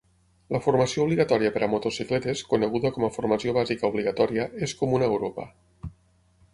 La formació obligatòria per a motocicletes, coneguda com a Formació Bàsica Obligatòria, és comuna a Europa.